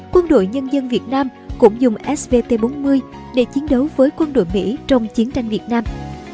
quân đội nhân dân việt nam cũng dùng svt bốn mươi để chiến đấu với quân đội mỹ trong chiến tranh việt nam